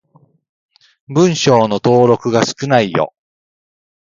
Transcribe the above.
文章の登録が少ないよ。